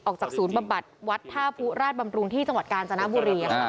ออกจากศูนย์บำบัดวัดท่าผู้ราชบำรุงที่จังหวัดกาญจนบุรี